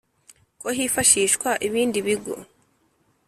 ko hifashishwa ibindi bigo